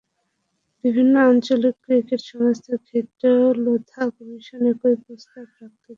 বিভিন্ন আঞ্চলিক ক্রিকেট সংস্থার ক্ষেত্রেও লোধা কমিশন একই প্রস্তাব রাখতে যাচ্ছে।